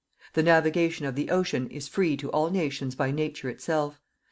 The navigation of the ocean is free to all nations by nature itself.